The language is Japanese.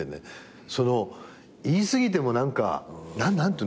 その言い過ぎても何か何ていうの？